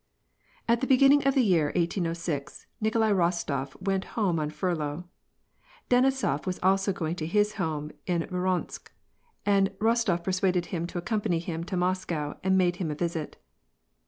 At the beginning of the year 1806, Nikolai Rostof went borne on furlough. Denisof was also going to his home in Voronezh, and Kostof persuaded him to accompany him to Moscow and make him a visit.